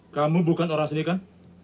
kamu bukan orang sini kan